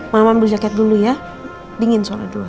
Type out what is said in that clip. mama ambil jaket dulu ya dingin soalnya dulu